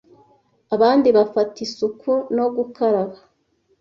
abandi bafata isuku no gukaraba